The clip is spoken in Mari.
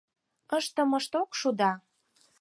— Ыштымышт ок шу да.